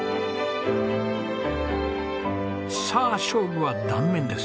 さあ勝負は断面です。